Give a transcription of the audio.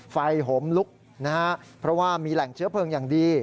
โหมลุกนะฮะเพราะว่ามีแหล่งเชื้อเพลิงอย่างดี